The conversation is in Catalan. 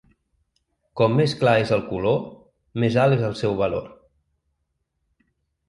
Com més clar és el color, més alt és el seu valor.